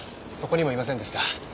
そこにもいませんでした。